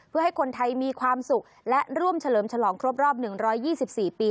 เพื่อให้คนไทยมีความสุขและร่วมเฉลิมฉลองครบรอบ๑๒๔ปี